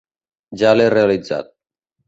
Ja l'he realitzat.